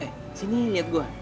eh sini liat gua